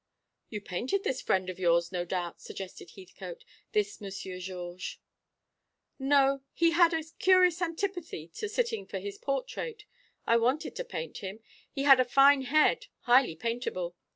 "You painted this friend of yours, no doubt," suggested Heathcote, "this Monsieur Georges." "No; he had a curious antipathy to sitting for his portrait. I wanted to paint him. He had a fine head, highly paintable.